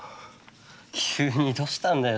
急にどうしたんだよ